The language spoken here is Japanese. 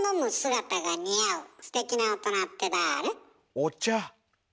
お茶？